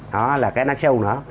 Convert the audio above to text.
đó là cái nó sâu nữa